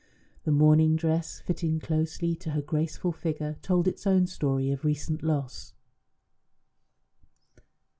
The mourning dress, fitting closely to her graceful figure, told its own story of recent loss.